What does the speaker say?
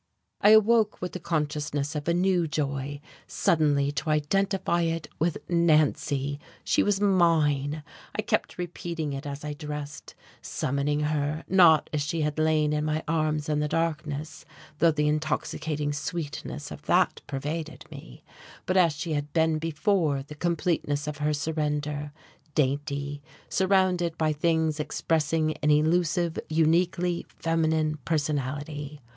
I awoke with the consciousness of a new joy, suddenly to identify it with Nancy. She was mine! I kept repeating it as I dressed; summoning her, not as she had lain in my arms in the darkness though the intoxicating sweetness of that pervaded me but as she had been before the completeness of her surrender, dainty, surrounded by things expressing an elusive, uniquely feminine personality.